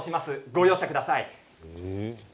ご容赦ください。